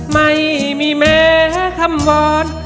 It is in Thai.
ไม่มีแม้คำวอน